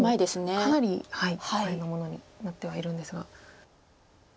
もうかなり前のものになってはいるんですが。